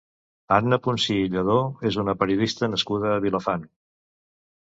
Anna Punsí i Lladó és una periodista nascuda a Vilafant.